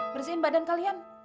bersihin badan kalian